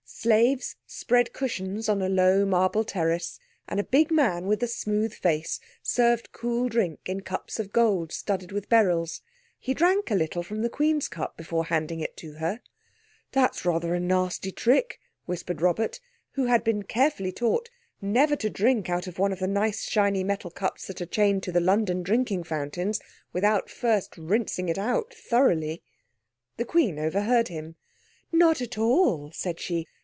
Slaves spread cushions on a low, marble terrace, and a big man with a smooth face served cool drink in cups of gold studded with beryls. He drank a little from the Queen's cup before handing it to her. "That's rather a nasty trick," whispered Robert, who had been carefully taught never to drink out of one of the nice, shiny, metal cups that are chained to the London drinking fountains without first rinsing it out thoroughly. The Queen overheard him. "Not at all," said she.